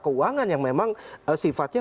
keuangan yang memang sifatnya